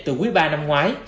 từ quý ba năm ngoái